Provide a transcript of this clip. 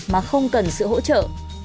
mà không cần sự hỗ trợ